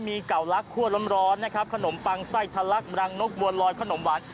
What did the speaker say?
มีเก่าลักคั่วร้อนนะครับขนมปังไส้ทะลักรังนกบัวลอยขนมหวาน